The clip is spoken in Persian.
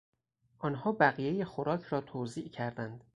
آنها بقیهی خوراک را توزیع کردند.